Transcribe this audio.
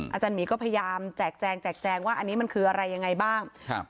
อาจารย์หมีก็พยายามแจกแจงแจกแจงว่าอันนี้มันคืออะไรยังไงบ้างครับ